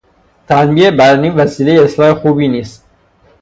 تنبیه بدنی وسیلهی اصلاح خوبی نیست.